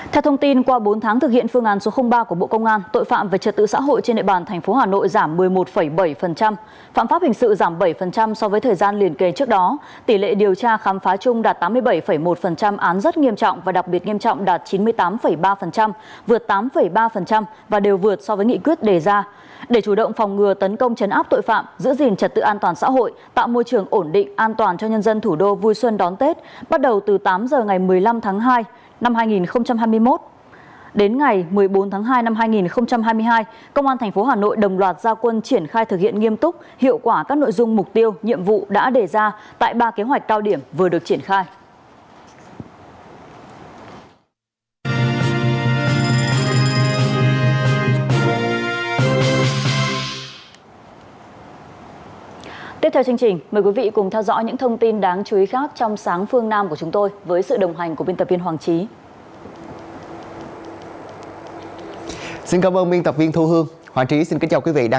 theo thông tin qua bốn tháng thực hiện phương án số ba của bộ công an tội phạm về trật tự xã hội trên địa bàn thành phố hà nội giảm một mươi một bảy phạm pháp hình sự giảm bảy so với thời gian liền kề trước đó